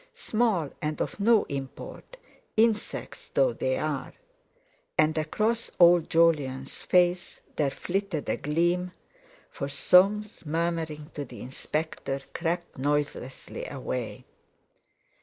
Small and of no import, insects though they are! And across old Jolyon's face there flitted a gleam, for Soames, murmuring to the Inspector, crept noiselessly away.